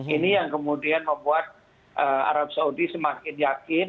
ini yang kemudian membuat arab saudi semakin yakin